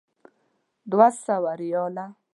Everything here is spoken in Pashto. دوه سوه ریاله.